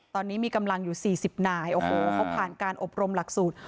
ตอนนี้มีกำลังอยู่๔๐นายโอ้โหเขาผ่านการอบรมหลักสูตร